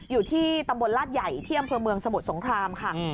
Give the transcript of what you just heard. อยู่ที่ตำบลลาดใหญ่ที่อำเภอเมืองสมุทรสงครามค่ะ